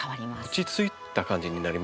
落ち着いた感じになりますね。